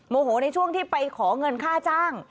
โมโหในช่วงที่ไปขอเงินค่าจ้าง